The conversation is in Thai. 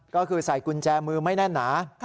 ก็คือใส่กุญแจมือไม่แน่นหนา